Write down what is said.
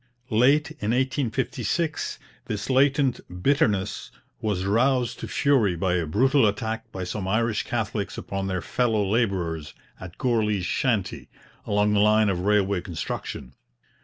Late in 1856 this latent bitterness was roused to fury by a brutal attack by some Irish Catholics upon their fellow labourers at Gourley's Shanty, along the line of railway construction.